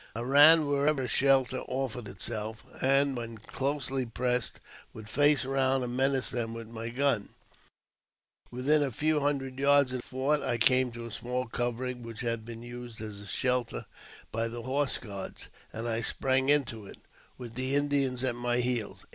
I ran wherever a shelter offered itself ; and, w^hen closely pressed, would face round and menace them with my guns. Within a few hundred yards of the fort I came JAMES P. BECKWOUBTH. 185 to a small covering which had been used as a shelter by the horse guards, and I sprang into it, with the Indians at my heels.